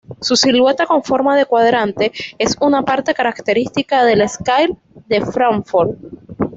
Su silueta con forma de cuadrante es una parte característica del "skyline" de Fráncfort.